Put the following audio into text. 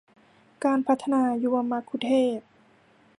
การพัฒนายุวมัคคุเทศก์